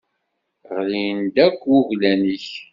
Ɣlin-d akk wuglan-ik.